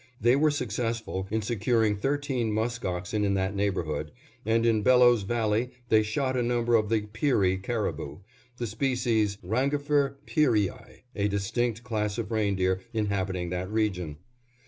They were successful in securing thirteen musk oxen in that neighborhood, and in Bellows Valley they shot a number of the "Peary" caribou, the species "Rangifer Pearyi," a distinct class of reindeer inhabiting that region.